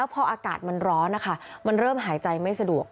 พออากาศมันร้อนนะคะมันเริ่มหายใจไม่สะดวก